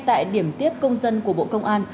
tại điểm tiếp công dân của bộ công an